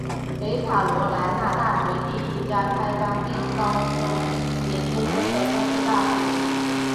北卡罗来纳大学第一家开班并招收研究生的公立大学。